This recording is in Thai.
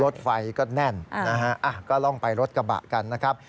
รถไฟก็แน่นนะฮะก็ลองไปรถกระบะกันนะครับ